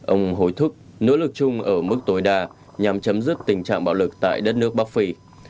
ông hối thúc nỗ lực chung ở mức tối đa nhằm chấm dứt tình trạng bạo lực tại đất nước bắc phi